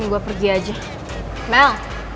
gak ada apa apa aja mel